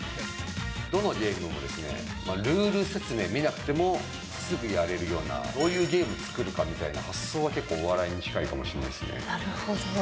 どのゲームもルール説明見なくてもすぐやれるような、どういうゲーム作るかみたいな発想は結構、お笑いに近いかもしれないっなるほど。